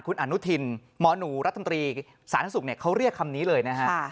คุณอนุทินหมอหนูรัฐมนตรีสาธารณสุขเขาเรียกคำนี้เลยนะฮะ